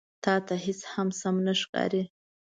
_تاته هېڅ هم سم نه ښکاري.